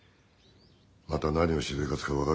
また何をしでかすか分からぬ。